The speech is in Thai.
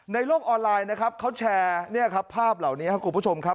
ในโลกออนไลน์เขาแชร์ภาพเหล่านี้ครับ